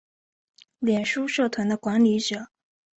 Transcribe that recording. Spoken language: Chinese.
脸书社团的管理者